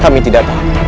kami tidak tahu